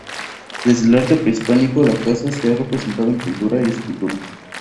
Desde el arte prehistórico, la caza se ha representado en pintura y escultura.